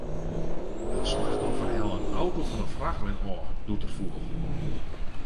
It slachtoffer helle in auto fan in frachtwein ôf, doe't er foel.